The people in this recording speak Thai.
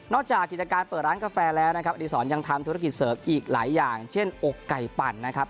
จากกิจการเปิดร้านกาแฟแล้วนะครับอดีศรยังทำธุรกิจเสริมอีกหลายอย่างเช่นอกไก่ปั่นนะครับ